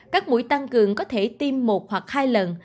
các mũi tăng cường có thể tiêm một hoặc hai lần